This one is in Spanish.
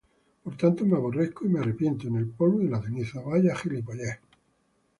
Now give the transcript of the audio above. Por tanto me aborrezco, y me arrepiento En el polvo y en la ceniza.